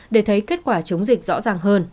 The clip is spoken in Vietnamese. để thấy kết quả chống dịch rõ ràng hơn